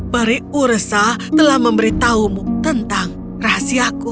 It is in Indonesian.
barik ursa telah memberitahumu tentang rahasiaku